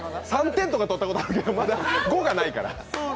３点とかとったことあるけど、まだ５がないから。